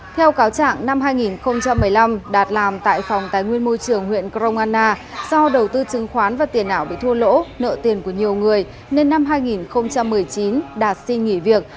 theo cáo trạng năm hai nghìn một mươi năm đạt làm tại phòng tài nguyên môi trường huyện crong anna do đầu tư chứng khoán và tiền ảo bị thua lỗ nợ tiền của nhiều người nên năm hai nghìn một mươi chín đạt xin nghỉ việc